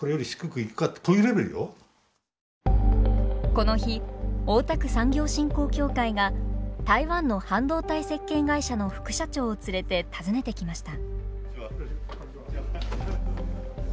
この日大田区産業振興協会が台湾の半導体設計会社の副社長を連れて訪ねてきました。